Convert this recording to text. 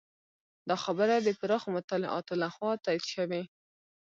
دا خبره د پراخو مطالعاتو لخوا تایید شوې.